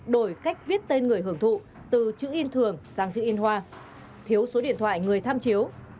đổi cách viết tên người hưởng thụ từ chữ in thường sang chữ in hoa thiếu số điện thoại người tham chiếu